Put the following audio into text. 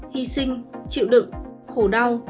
hy sinh chịu đựng khổ đau